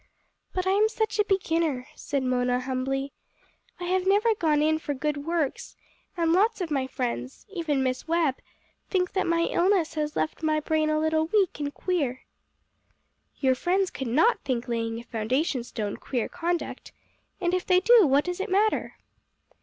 "But I am such a beginner," said Mona humbly. "I have never gone in for good works, and lots of my friends even Miss Webb think that my illness has left my brain a little weak and queer." "Your friends could not think laying a foundation stone queer conduct. And if they do, what does it matter?"